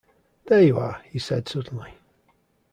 “There you are!” he said suddenly.